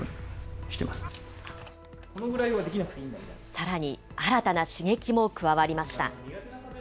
さらに新たな刺激も加わりました。